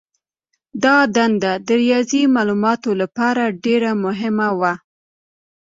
دا دنده د ریاضي مالوماتو لپاره ډېره مهمه وه.